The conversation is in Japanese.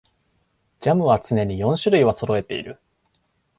ジャムは常に四種類はそろえている